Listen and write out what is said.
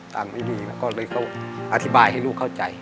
ตังค์ไม่มีแล้วก็เลยเขาอธิบายให้ลูกเข้าใจ